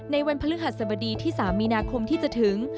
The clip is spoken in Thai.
ในวันพฤหัสบดีที่๓มีนาคมที่จะถึง